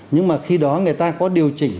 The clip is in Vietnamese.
nhưng mà khi đó người ta có điều chỉnh